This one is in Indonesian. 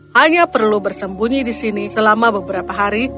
hanya perlu bersembunyi di sini selama beberapa hari